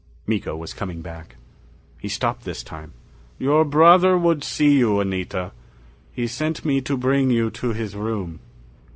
Miko was coming back. He stopped this time. "Your brother would see you, Anita. He sent me to bring you to his room."